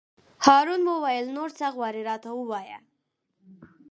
هارون وویل: نور څه غواړې راته ووایه.